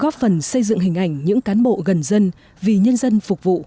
góp phần xây dựng hình ảnh những cán bộ gần dân vì nhân dân phục vụ